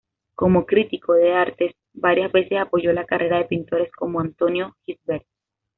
Como crítico de arte varias veces apoyó la carrera de pintores como Antonio Gisbert.